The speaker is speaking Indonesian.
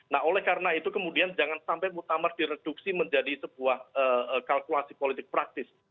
nah oleh karena itu kemudian jangan sampai muktamar direduksi menjadi sebuah kalkulasi politik praktis